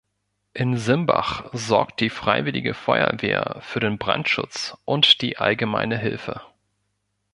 In Simbach sorgt die Freiwillige Feuerwehr für den Brandschutz und die allgemeine Hilfe.